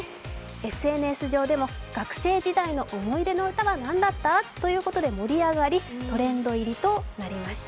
ＳＮＳ上でも学生時代の思い出の歌は何だった？ということで話題になりトレンド入りとなりました。